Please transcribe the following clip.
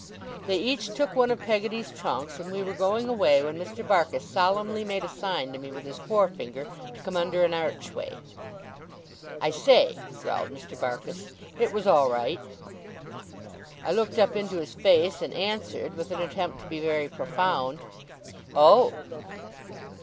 They each took one of Peggotty's trunks, and we were going away, when Mr. Barkis solemnly made a sign to me with his forefinger to come under an archway. 'I say,' growled Mr. Barkis, 'it was all right.' I looked up into his face, and answered, with an attempt to be very profound: 'Oh!